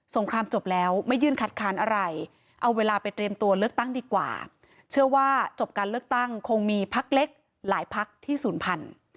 งครามจบแล้วไม่ยื่นคัดค้านอะไรเอาเวลาไปเตรียมตัวเลือกตั้งดีกว่าเชื่อว่าจบการเลือกตั้งคงมีพักเล็กหลายพักที่ศูนย์พันธุ์